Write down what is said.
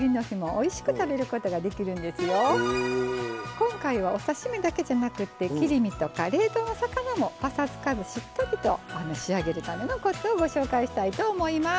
今回はお刺身だけじゃなくて切り身とか冷凍の魚もパサつかずしっとりと仕上げるためのコツをご紹介したいと思います。